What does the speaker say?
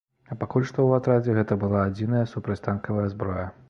А пакуль што ў атрадзе гэта была адзіная супрацьтанкавая зброя.